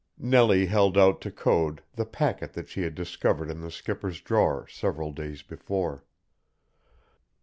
Nellie held out to Code the packet that she had discovered in the skipper's drawer several days before.